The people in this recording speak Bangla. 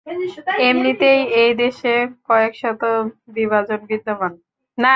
এমনিতেই এই দেশে কতশত বিভাজন বিদ্যমান!